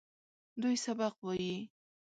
دوی سبق وايي.